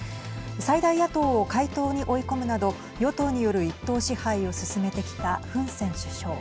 最大野党を解党に追い込むなど与党による一党支配を進めてきたフン・セン首相。